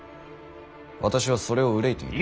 私はそれを憂いている。